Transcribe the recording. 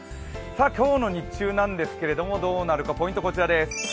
今日の日中なんですけれども、どうなるか、ポイントこちらです。